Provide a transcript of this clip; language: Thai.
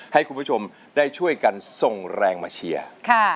ให้คุณผู้ชมได้ช่วยกันส่งแรงมาเชียร์